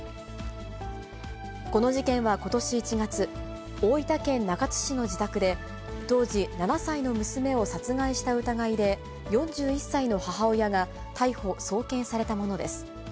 この事件はことし１月、大分県中津市の自宅で、当時７歳の娘を殺害した疑いで４１歳の母親が逮捕・送検されたものです。